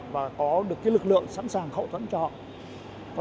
và có được lực lượng sẵn sàng hậu thuẫn cho họ